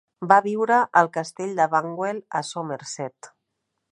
Va viure al castell de Banwell, a Somerset.